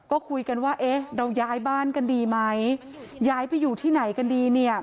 ก็คุยกันว่าเอ๊ะเราย้ายบ้านกันดีไหมย้ายไปอยู่ที่ไหนกันดีเนี่ย